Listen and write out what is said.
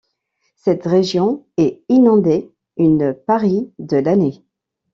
Cette région est inondée une parie de l'année.